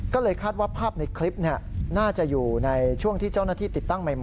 ก็เลยคาดว่าภาพในคลิปน่าจะอยู่ในช่วงที่เจ้าหน้าที่ติดตั้งใหม่